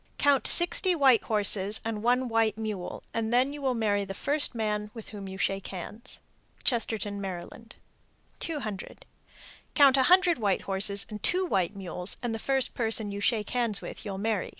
Count sixty white horses and one white mule, then you will marry the first man with whom you shake hands. Chestertown, Md. 200. Count a hundred white horses and two white mules, and the first person you shake hands with you'll marry.